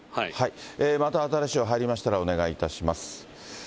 また新しい情報が入りましたら、お願いいたします。